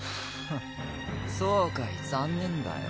そうかい残念だよ